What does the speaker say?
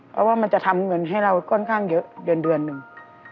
เพราะว่ามันจะทำเงินให้เราค่อนข้างเยอะเดือนหนึ่ง